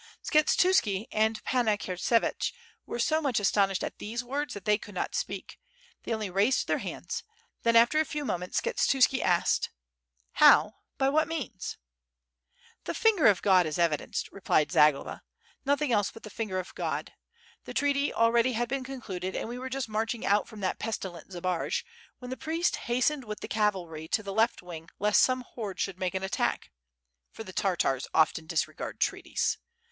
Skshetuski and Panna Kurtsevich were so much aston ished at these words that they could not speak, they only raised their hands ;• then after a few moments Skshetuski asked : "How, by what means?" "The finger of God is evidenced " replied Zagloba, "noth ing else but the finger of God. The treaty already had been concluded and we were just marching out from that pestilent Zbaraj, when the prince hastened with the cavalry to the left wing lest some horde should make an attack. ... for the Tartars often disregard treaties.